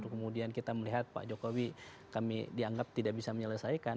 kemudian kita melihat pak jokowi kami dianggap tidak bisa menyelesaikan